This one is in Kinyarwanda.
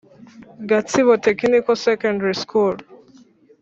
Gatsibo Technical Secondary school